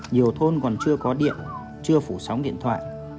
nhiều thôn còn chưa có điện chưa phủ sóng điện thoại